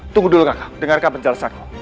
tunggu dulu kakak dengarkan penjelasanku